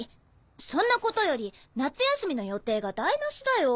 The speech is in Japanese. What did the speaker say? そんなことより夏休みの予定が台無しだよぉ。